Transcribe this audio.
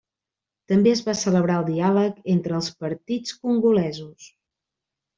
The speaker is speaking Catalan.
També es va celebrar el diàleg entre els partits congolesos.